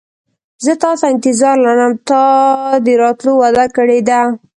زه تاته انتظار لرم تا د راتلو وعده کړې ده.